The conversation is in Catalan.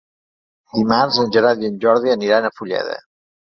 Dimarts en Gerard i en Jordi aniran a Fulleda.